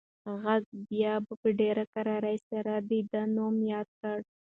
غږ بیا په ډېره کرارۍ سره د ده نوم یاد کړ.